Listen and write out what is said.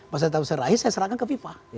masa jawatan saya berakhir saya serahkan ke fifa